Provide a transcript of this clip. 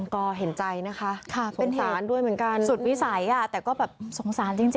ก็เห็นใจนะคะเป็นสารด้วยเหมือนกันสุดวิสัยแต่ก็แบบสงสารจริง